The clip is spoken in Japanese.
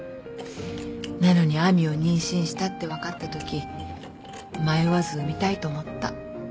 なのに亜美を妊娠したって分かったとき迷わず産みたいと思った。